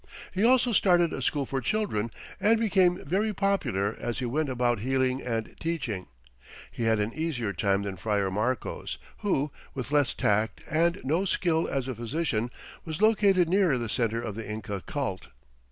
He also started a school for children, and became very popular as he went about healing and teaching. He had an easier time than Friar Marcos, who, with less tact and no skill as a physician, was located nearer the center of the Inca cult.